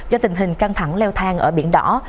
do tình hình căng thẳng leo thang ở biển đỏ